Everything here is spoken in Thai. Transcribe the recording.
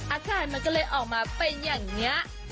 อาการมันก็เลยออกมาเป็นอย่างนี้